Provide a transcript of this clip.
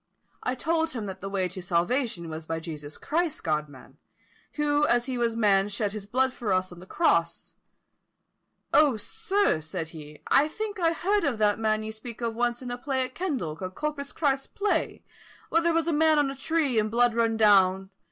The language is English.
I told him that the way to salvation was by Jesus Christ, God man, who as he was man shed his blood for us on the cross, &c. Oh, sir, said he, I think I heard of that man you speak of once in a play at Kendall, called Corpus Christ's play, where there was a man on a tree and blood run down, &c.